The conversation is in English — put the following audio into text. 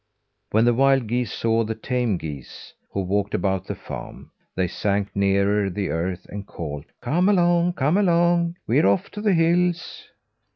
When the wild geese saw the tame geese, who walked about the farm, they sank nearer the earth, and called: "Come along! Come along! We're off to the hills!"